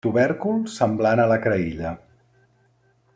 Tubèrcul semblant a la creïlla.